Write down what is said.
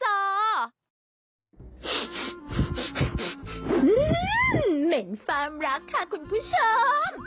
เหม็นความรักค่ะคุณผู้ชม